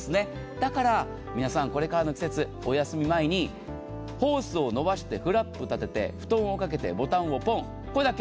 だから皆さん、これからの季節、お休み前にホースを伸ばしてフラップを立てて、布団をかけてボタンをポン、これだけ。